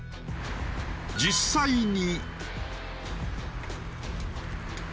実際に。